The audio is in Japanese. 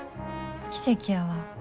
奇跡やわ。